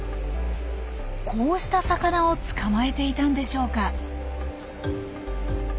こうした魚を捕まえていたんでしょうか？